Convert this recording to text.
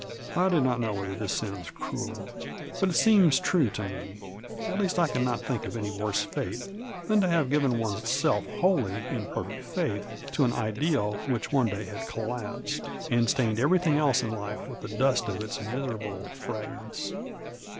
I do not know wbetber tbis sounds crael, but it seems true to me ; at least I can not tbink of any worse fate tban to bave given one^s self wbolly in perfect faitb to an ideal wbicb one day bad collapsed, and stained everytbing else in life witb tbe dust of its miserable fragments."